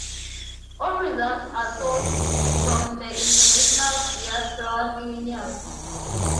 All results are sourced from the International Biathlon Union.